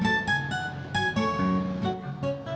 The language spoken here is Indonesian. kalau dua orang saja bilang sama ko